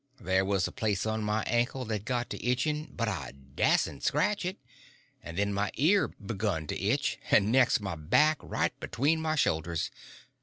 There was a place on my ankle that got to itching, but I dasn't scratch it; and then my ear begun to itch; and next my back, right between my shoulders.